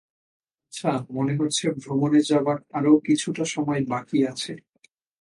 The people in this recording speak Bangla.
আচ্ছা, মনে হচ্ছে ভ্রমণে যাবার আরো কিছুটা সময় বাকি আছে।